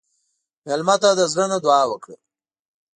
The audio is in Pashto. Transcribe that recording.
مېلمه ته د زړه نه دعا وکړه.